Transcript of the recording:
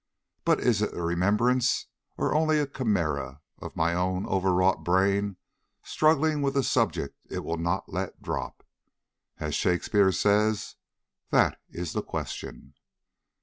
But is it a remembrance, or only a chimera of my own overwrought brain struggling with a subject it will not let drop? As Shakespeare says, 'That is the question!'"